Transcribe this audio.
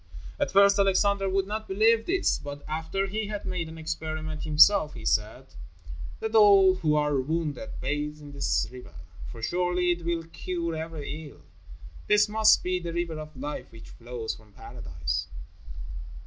At first Alexander would not believe this, but after he had made an experiment himself, he said: "Let all who are wounded bathe in this river, for surely it will cure every ill. This must be the River of Life which flows from Paradise."